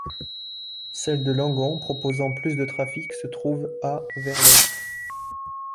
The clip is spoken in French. Celle de Langon proposant plus de trafic se trouve à vers l'est.